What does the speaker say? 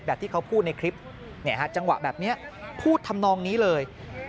ที่เขาพูดในคลิปจังหวะแบบนี้พูดทำนองนี้เลย